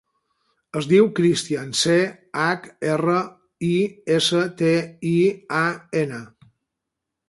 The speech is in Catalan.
Es diu Christian: ce, hac, erra, i, essa, te, i, a, ena.